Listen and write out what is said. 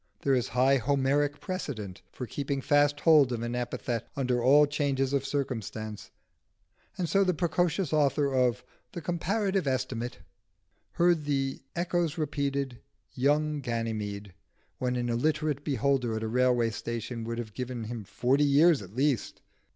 There is high Homeric precedent for keeping fast hold of an epithet under all changes of circumstance, and so the precocious author of the 'Comparative Estimate' heard the echoes repeating "Young Ganymede" when an illiterate beholder at a railway station would have given him forty years at least.